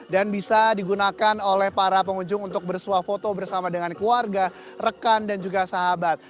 dan bisa digunakan oleh para pengunjung untuk bersuah foto bersama dengan keluarga rekan dan juga sahabat